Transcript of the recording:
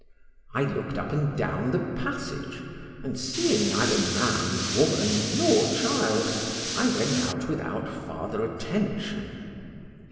—I look'd up and down the passage, and seeing neither man, woman, nor child, I went out without farther attention.